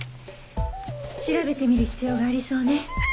調べてみる必要がありそうね。